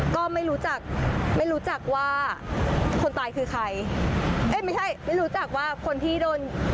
ก็ไม่รู้จักว่าคนตายคือใครไม่ใช่ไม่รู้จักว่าคนที่โดน